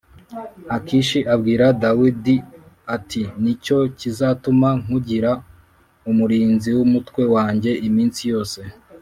akishi abwira dawidi ati “ni cyo kizatuma nkugira umurinzi w’umutwe wanjye iminsi yose”